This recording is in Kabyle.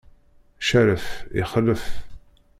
Cerref, ixlef!